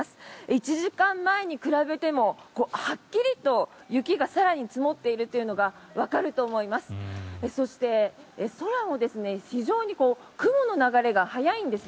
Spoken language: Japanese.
１時間前に比べても、はっきりと雪が更に積もっているというのがわかると思います。